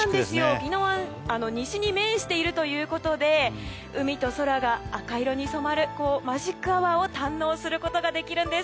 宜野湾は西に面しているということで海と空が赤色に染まるマジックアワーを堪能することができるんです。